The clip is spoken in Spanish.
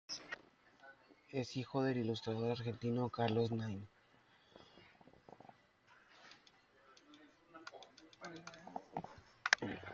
Es hijo del ilustrador argentino Carlos Nine.